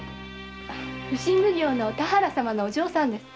普請奉行の田原様のお嬢さんです。